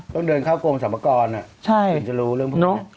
ต้องเดินเข้ากลมประธานกรณ์